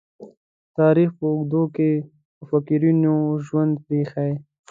تاریخ په اوږدو کې مُفکرینو ژوند پريښی.